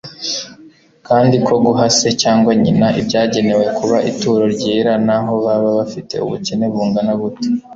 kandi ko guha se cyangwa nyina ibyagenewe kuba ituro ryera naho baba bafite ubukene bungana bute,